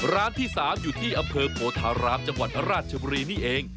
ร้านที่๓อยู่ที่อำเภอโพธารามจังหวัดราชบุรีนี่เอง